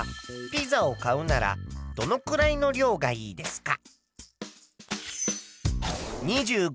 ピザを買うならどのくらいの量がいいか？